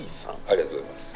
ありがとうございます。